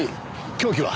凶器は？